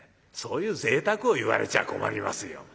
そういうぜいたくを言われちゃ困りますよ。